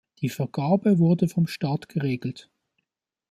Die Vergabe wurde vom Staat geregelt.